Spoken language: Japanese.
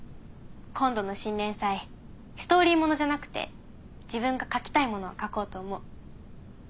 今度の新連載ストーリーものじゃなくて自分が描きたいものを描こうと思う。